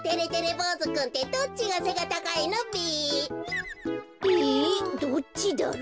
ぼうずくんってどっちがせがたかいのべ？えっどっちだろ？